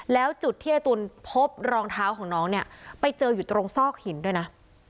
แล้วจุดที่ไอ้ตุ๋นพบรองเท้าของน้องเนี่ยไปเจออยู่ตรงซอกหินด้วยนะ